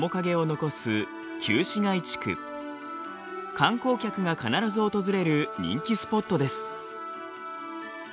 観光客が必ず訪れる人気スポットです。